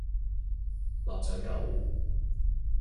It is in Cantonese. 臘腸狗